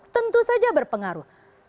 tentu saja berpengaruh